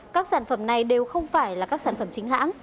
các sản phẩm này đều không phải là các sản phẩm chính hãng